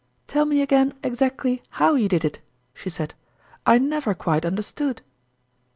" Tell me again exactly ?iow you did it," she said. " I never quite understood."